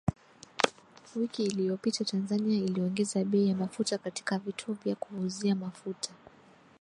Wiki iliyopita Tanzania iliongeza bei ya mafuta katika vituo vya kuuzia mafuta